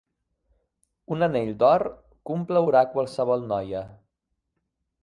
Un anell d'or complaurà qualsevol noia.